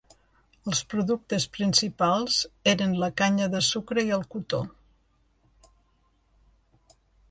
Els productes principals eren la canya de sucre i el cotó.